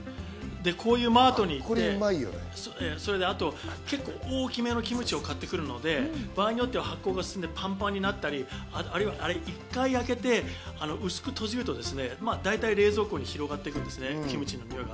こういうマートに行って、あと大きめなキムチを買ってくるので、場合によっては、発酵が進んでパンパンになったり、１回開けて、薄く閉じると、だいたい冷蔵庫に広がっていくんですね、キムチのにおいが。